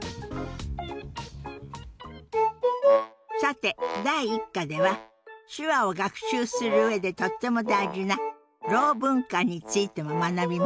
さて第１課では手話を学習する上でとっても大事なろう文化についても学びましたね。